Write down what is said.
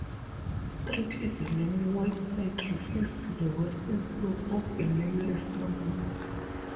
Strictly the name White Side refers to the western slope of a nameless summit.